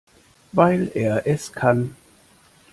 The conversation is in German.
Weil er es kann.